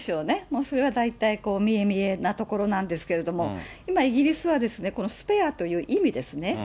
もうそれは大体、見え見えなところなんですけども、今、イギリスはこのスペアという意味ですね。